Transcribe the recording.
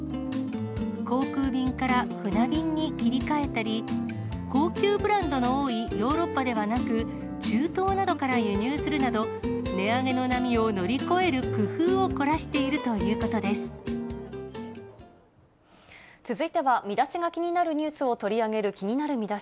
航空便から船便に切り替えたり、高級ブランドの多いヨーロッパではなく、中東などから輸入するなど値上げの波を乗り越える工夫を凝らして続いてはミダシが気になるニュースを取り上げる気になるミダシ。